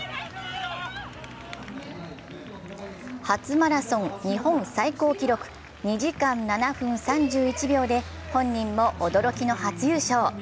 初マラソン日本最高記録２時間７分３１秒で本人も驚きの初優勝。